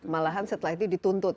malahan setelah itu dituntut